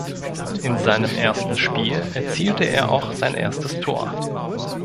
In seinem ersten Spiel erzielte er auch sein erstes Tor.